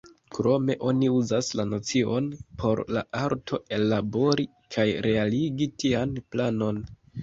Krome oni uzas la nocion por la arto ellabori kaj realigi tian planon.